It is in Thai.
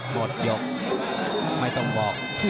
หมดยกไม่ต้องบอก